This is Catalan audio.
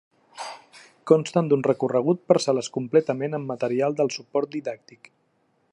Consten d'un recorregut per sales complementat amb material de suport didàctic.